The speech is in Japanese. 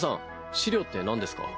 資料ってなんですか？